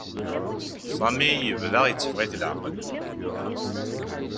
Sami yebda iteffeɣ-it leɛqel.